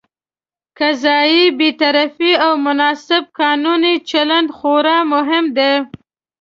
قضايي بېطرفي او مناسب قانوني چلند خورا مهم دي.